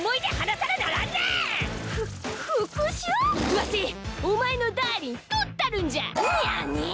わしお前のダーリンとったるんじゃ。にゃにぃ！？